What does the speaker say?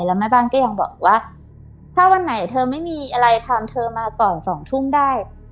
แล้วแม่บ้านก็ยังบอกว่าถ้าวันไหนเธอไม่มีอะไรทำเธอมาก่อน๒ทุ่มได้